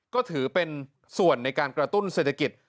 ก็ถือเป็นส่วนในการกระตุ้นเศรษฐกิจ